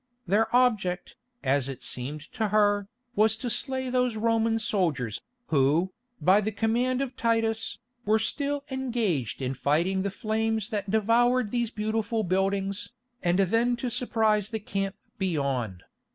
Their object, as it seemed to her, was to slay those Roman soldiers, who, by the command of Titus, were still engaged in fighting the flames that devoured these beautiful buildings, and then to surprise the camp beyond.